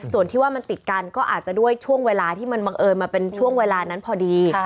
ส่วนที่ว่ามันติดกันก็อาจจะด้วยช่วงเวลาที่มันบังเอิญมาเป็นช่วงเวลานั้นพอดี